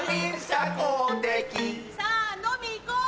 さぁ飲み行こう！